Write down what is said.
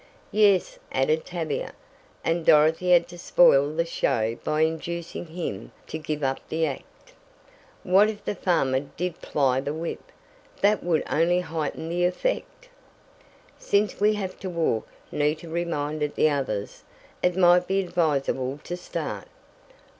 "Yes," added Tavia, "and Dorothy had to spoil the show by inducing him to give up the act. What if the farmer did ply the whip? That would only heighten the effect." "Since we have to walk," Nita reminded the others, "it might be advisable to start."